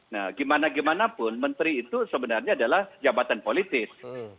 nah gimana gimanapun menteri itu sebenarnya adalah jabatan politis